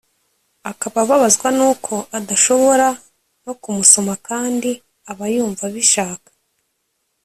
akaba ababazwa n’uko adashobora no kumusoma kandi aba yumva abishaka